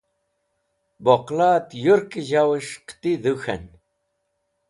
boqla't yurk zhaw'esh qiti dhuk̃h'en